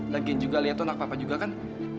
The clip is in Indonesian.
lagian juga liat anak papa juga kan